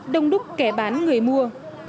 đông đúc kẻ bán người mua